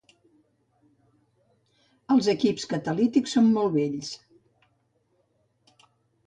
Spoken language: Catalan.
Els equips catalítics són molt vells.